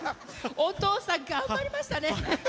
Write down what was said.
お父さん頑張りましたね。